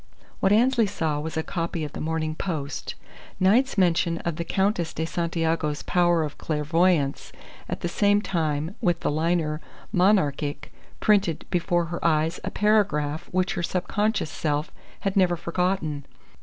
What Annesley saw was a copy of the Morning Post. Knight's mention of the Countess de Santiago's power of clairvoyance at the same time with the liner Monarchic printed before her eyes a paragraph which her subconscious self had never forgotten.